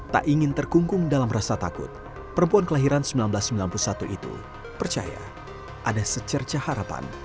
tak ingin terkungkung dalam rasa takut perempuan kelahiran seribu sembilan ratus sembilan puluh satu itu percaya ada secerca harapan